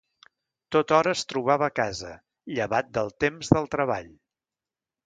Tothora es trobava a casa, llevat del temps del treball.